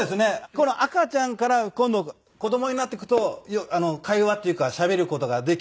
この赤ちゃんから今度子供になっていくと会話っていうかしゃべる事ができて。